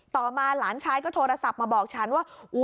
ต่อมาหลานชายก็โทรศัพท์มาบอกฉันว่า